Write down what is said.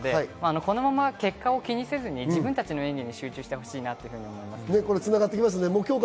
このまま結果を気にせず自分たちの演技に集中してほしいなと思います。